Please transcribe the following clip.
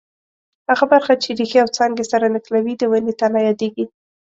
هغه برخه چې ریښې او څانګې سره نښلوي د ونې تنه یادیږي.